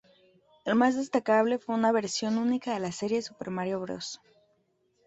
El más destacable fue una versión única de la serie Super Mario Bros.